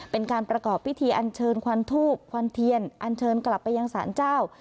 เป็นการประกอบพิธีอันเชิญควันทูบควันเทียนอันเชิญกลับไปยังสารเจ้า